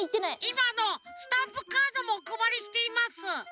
いまあのスタンプカードもおくばりしています。